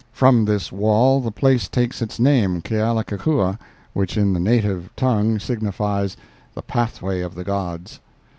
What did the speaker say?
From this wall the place takes its name, Kealakekua, which in the native tongue signifies "The Pathway of the Gods."